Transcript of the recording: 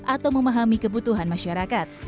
atau memahami kebutuhan masyarakat